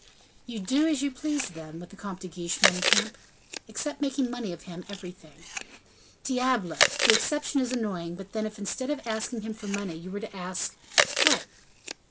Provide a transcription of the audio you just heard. "You do as you please, then, with the Comte de Guiche, Manicamp?" "Except making money of him everything?" "Diable! the exception is annoying; but then, if instead of asking him for money, you were to ask " "What?"